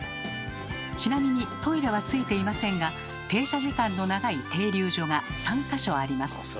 ちなみにトイレは付いていませんが停車時間の長い停留所が３か所あります。